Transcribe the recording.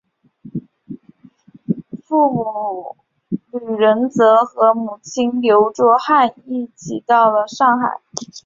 傅履仁则和母亲刘倬汉一起到了上海。